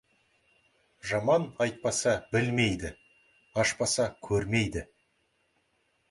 Жаман, айтпаса, білмейді, ашпаса, көрмейді.